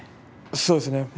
そうですね。